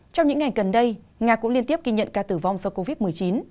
trong những ngày gần đây nga cũng liên tiếp ghi nhận ca tử vong do covid một mươi chín